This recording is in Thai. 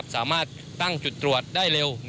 สามารถตั้งจุดตรวจได้เร็ว